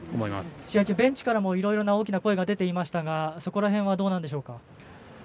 試合中、ベンチからもいろいろな大きな声が出ていましたがそこら辺はどうでしょうか。